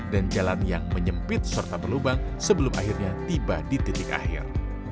dan jalan yang menyempit serta pelubang sebelum akhirnya tiba di titik akhir